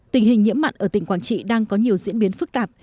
tình hình nhiễm mặn ở tỉnh quảng trị đang có nhiều diễn biến phức tạp